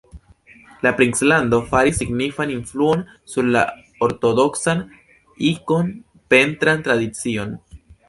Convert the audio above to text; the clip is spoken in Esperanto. La princlando faris signifan influon sur la ortodoksan ikon-pentran tradicion.